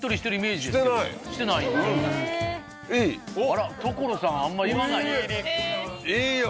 あら所さんあんま言わないよ。